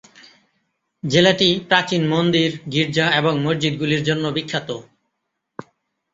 জেলাটি প্রাচীন মন্দির, গীর্জা এবং মসজিদগুলির জন্য বিখ্যাত।